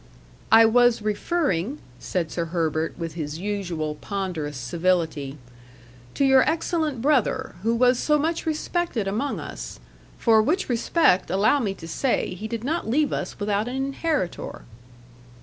"I was referring," said Sir Herbert, with his usual ponderous civility, "to your excellent brother, who was so much respected among us, for which respect, allow me to say, he did not leave us without an inheritor."